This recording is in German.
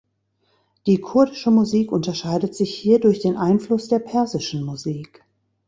Die kurdische Musik unterscheidet sich hier durch den Einfluss der persischen Musik.